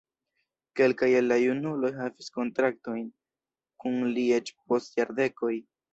Kelkaj el la junuloj havis kontaktojn kun li eĉ post jardekoj.